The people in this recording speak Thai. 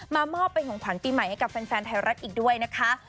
มอบเป็นของขวัญปีใหม่ให้กับแฟนไทยรัฐอีกด้วยนะคะ